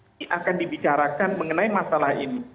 ini akan dibicarakan mengenai masalah ini